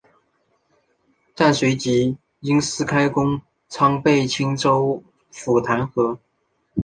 但随即因私开官仓被青州府弹劾。